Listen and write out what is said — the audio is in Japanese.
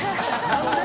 何で？